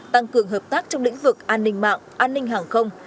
tăng cường hợp tác trong lĩnh vực an ninh mạng an ninh hàng không